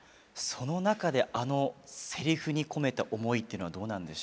その中であのセリフに込めた思いというのはどうなんでしょうか？